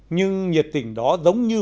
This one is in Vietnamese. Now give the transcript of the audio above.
nhưng nhiệt tình đó giống như